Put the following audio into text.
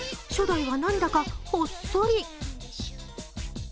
初代はなんだかほっそり。